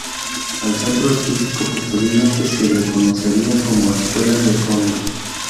Al Centro Artístico, posteriormente, se le conocería como Escuela de Olot.